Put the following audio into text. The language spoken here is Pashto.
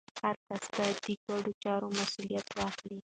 هر کس باید د ګډو چارو مسوولیت واخلي.